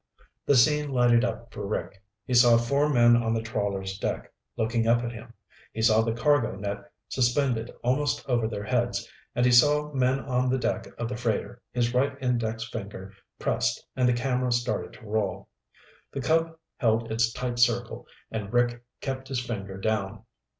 The scene lighted up for Rick. He saw four men on the trawler's deck, looking up at him. He saw the cargo net suspended almost over their heads, and he saw men on the deck of the freighter. His right index finger pressed and the camera started to roll. The Cub held its tight circle and Rick kept his finger down.